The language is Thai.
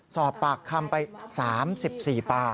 สอบปากคำไป๓๔ปาก